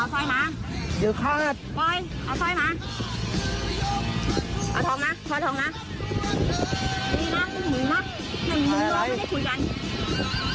เอาส้อยมาเอาส้อยมาเอาทองมาเอาทองมาเอาทองมาจำไว้หน้าไอ้แจ๊ก